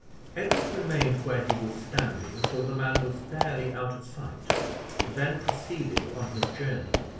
Edward remained where he was standing till the man was fairly out of sight, and then proceeded on his journey.